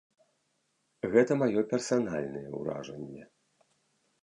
Гэта маё персанальнае ўражанне.